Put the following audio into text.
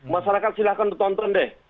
masyarakat silahkan tonton deh